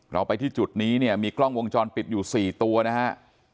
เราไปที่จุดนี้เนี่ยมีกล้องวงจรปิดอยู่๔ตัวนะฮะ